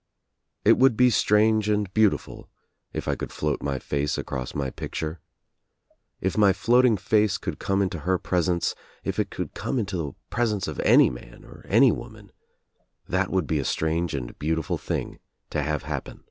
It would be strange and beautiful if I could float my face across my picture. If my floating face could come into her presence, if it could come into the pres ence of any man or any woman — that would be a strange and beautiful thing to have happen.